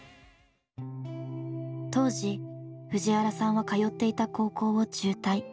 当時藤原さんは通っていた高校を中退。